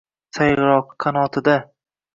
sayrogʼi qanotida